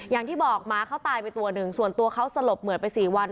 อย่างที่บอกหมาเขาตายไปตัวหนึ่งส่วนตัวเขาสลบเหมือนไป๔วัน